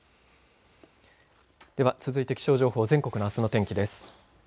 では、続いて気象情報あすの全国の天気です。